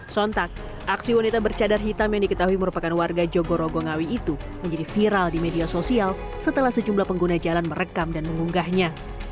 sontak aksi wanita bercadar hitam yang diketahui merupakan warga jogorogo ngawi itu menjadi viral di media sosial setelah sejumlah pengguna jalan merekam dan mengunggahnya